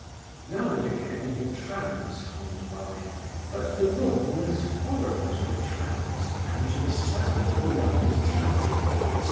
Now and again the trams hummed by, but the room was foreign to the trams and to the sound of the London traffic.